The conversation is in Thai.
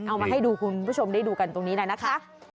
เอามาให้ดูคุณผู้ชมได้ดูกันตรงนี้นะคะ